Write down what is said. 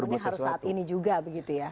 ini harus saat ini juga begitu ya